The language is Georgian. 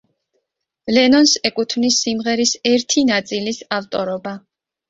ლენონს ეკუთვნის სიმღერის ერთი ნაწილის ავტორობა.